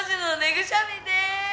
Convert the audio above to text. ぐしゃみでーす！